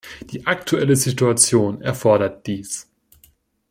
Die aktuelle Situation erfordert dies.